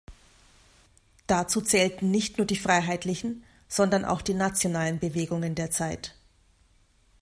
Dazu zählten nicht nur die freiheitlichen, sondern auch die nationalen Bewegungen der Zeit.